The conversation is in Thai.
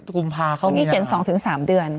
เกี่ยวกัน๒๓เดือน